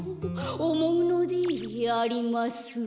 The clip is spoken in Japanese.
「おもうのでありますうう」